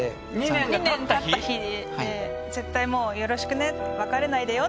２年たった日で絶対もうよろしくね別れないでよって。